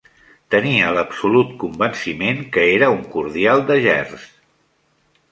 Tenia l'absolut convenciment que era un cordial de gerds.